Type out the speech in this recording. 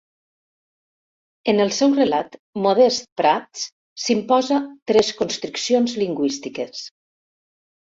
En el seu relat Modest Prats s'imposa tres constriccions lingüístiques.